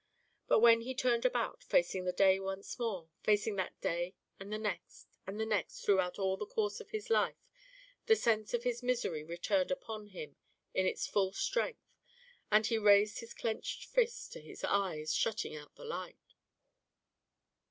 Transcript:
But when he turned about, facing the day once more, facing that day and the next and the next throughout all the course of his life, the sense of his misery returned upon him in its full strength and he raised his clenched fist to his eyes, shutting out the light.